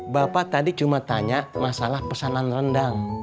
bapak tadi cuma tanya masalah pesanan rendang